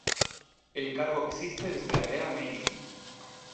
El cargo existe desde la era Meiji.